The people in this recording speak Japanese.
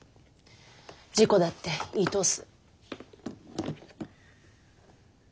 事故だって言い通す。